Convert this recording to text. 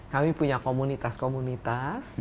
kami punya komunitas komunitas